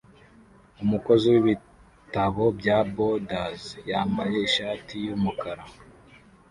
Umukozi wibitabo bya Borders yambaye ishati yumukara